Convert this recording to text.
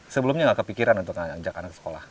sebelumnya nggak kepikiran untuk ngajak anak sekolah